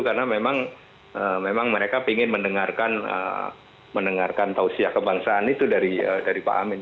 karena memang mereka ingin mendengarkan tausiah kebangsaan itu dari pak amin